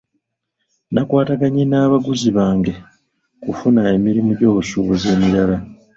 Nakwataganye n'abaguzi bange kufuna emirimu gy'obusuubuzi emirala.